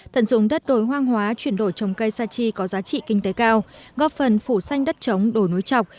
tận dụng đất đổi hoang hóa chuyển đổi trồng cây sa chi có giá trị kinh tế cao góp phần phủ xanh đất trống đồi núi trọc